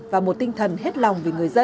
và một tinh thần hẹn